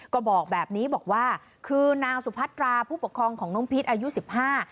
ก็บอกแบบนี้บอกว่าคือนางสุพัตราผู้ปกครองของน้องพีชอายุสิบห้า